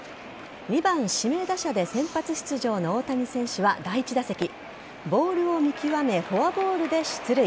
２番・指名打者で先発出場の大谷選手は第１打席ボールを見極めフォアボールで出塁。